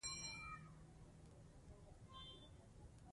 هغوی ته کوچني کارونه ورکړئ.